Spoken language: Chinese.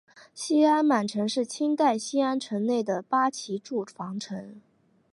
西安满城是清代西安城内的八旗驻防城。